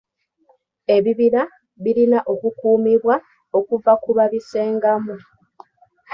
Ebibira birina okukuumibwa okuva ku babisengamu.